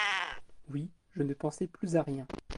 Oui je ne pensais plus à rien!